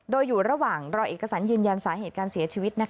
โดยอยู่ระหว่างรอเอกสารยืนยันสาเหตุการเสียชีวิต